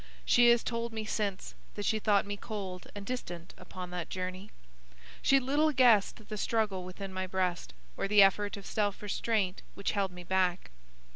She has told me since that she thought me cold and distant upon that journey. She little guessed the struggle within my breast, or the effort of self restraint which held me back.